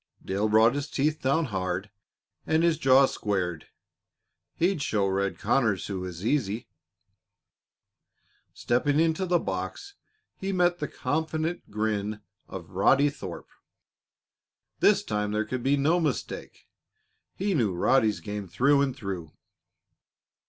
Dale brought his teeth down hard and his jaw squared. He'd show Red Conners who was easy. Stepping into the box, he met the confident grin of Roddy Thorpe. This time there could be no mistake. He knew Roddy's game through and through.